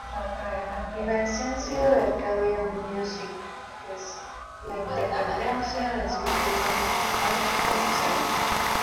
La esencia de Arcadia Music es la independencia del circuito musical comercial.